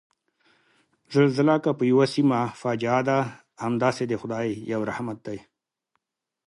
زلزله که په یوه سیمه فاجعه ده، همداسې د خدای یو رحمت دی